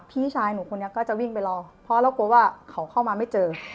พี่ชายหนูคนนี้ก็จะวิ่งไปรอเพราะเรากลัวว่าเขาเข้ามาไม่เจอ